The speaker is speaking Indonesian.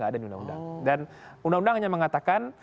dan undang undang hanya mengatakan